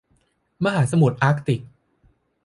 มหาสมุทรอาร์กติก